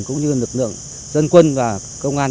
cũng như lực lượng dân quân và công an